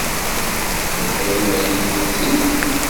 Tufiḍ iman-ik yid-sen?